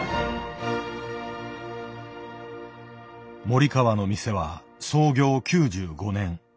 森川の店は創業９５年。